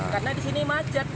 karena di sini macet